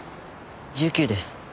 １９です。